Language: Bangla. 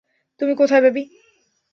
তুমি কোথায়, বেবি?